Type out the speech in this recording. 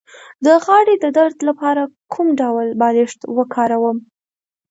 د غاړې د درد لپاره کوم ډول بالښت وکاروم؟